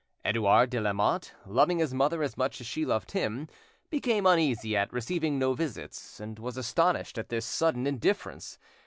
Edouard de Lamotte, loving his mother as much as she loved him, became uneasy at receiving no visits, and was astonished at this sudden indifference.